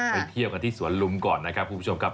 ไปเที่ยวกันที่สวนลุมก่อนนะครับคุณผู้ชมครับ